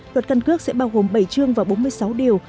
luật căn cước sẽ bao gồm bảy chương và bốn mươi sáu điều